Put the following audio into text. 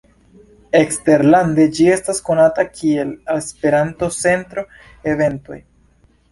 Eksterlande ĝi estas konata kiel "Esperanto-Centro Eventoj".